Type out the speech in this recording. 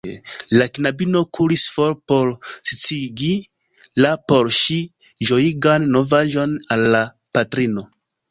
La knabino kuris for por sciigi la por ŝi ĝojigan novaĵon al la patrino.